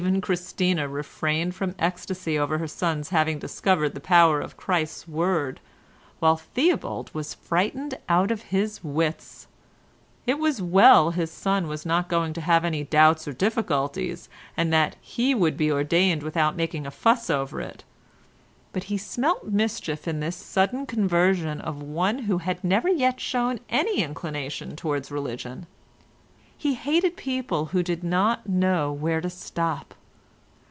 Even Christina refrained from ecstasy over her son's having discovered the power of Christ's word, while Theobald was frightened out of his wits. It was well his son was not going to have any doubts or difficulties, and that he would be ordained without making a fuss over it, but he smelt mischief in this sudden conversion of one who had never yet shown any inclination towards religion. He hated people who did not know where to stop.